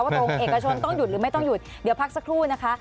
ตรงเอกชนต้องหยุดหรือไม่ต้องหยุดเดี๋ยวพักสักครู่นะคะ